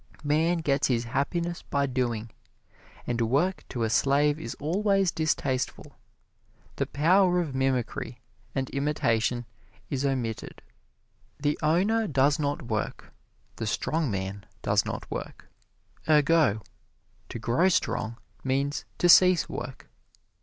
Man gets his happiness by doing: and work to a slave is always distasteful. The power of mimicry and imitation is omitted the owner does not work the strong man does not work. Ergo to grow strong means to cease work.